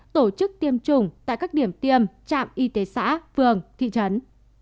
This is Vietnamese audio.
tổ chức tiêm chủng tại các điểm tiêm trạm y tế xã phường thị trấn